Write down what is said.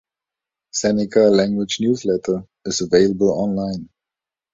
Seneca Language Newsletter, is available online.